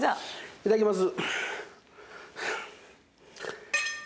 いただきます。